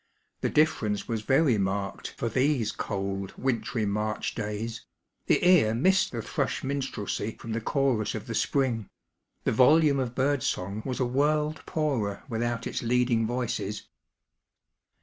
The difference was very marked for these cold, wintry March days ; the ear missed the thrush minstrelsy from the chorus of the spring; the volume of bird song was a world poorer without' its Iea<Ung voices.